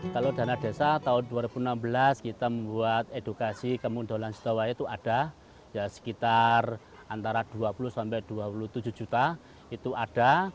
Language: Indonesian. kalau dana desa tahun dua ribu enam belas kita membuat edukasi kemundolan sidowaya itu ada sekitar antara dua puluh sampai dua puluh tujuh juta itu ada